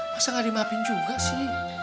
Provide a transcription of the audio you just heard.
masa gak dimapin juga sih